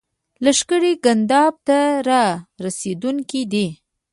لښکرې ګنداب ته را رسېدونکي دي.